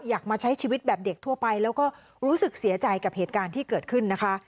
มาใช้ชีวิตแบบเด็กทั่วไปแล้วก็รู้สึกเสียใจกับเหตุการณ์ที่เกิดขึ้นนะคะ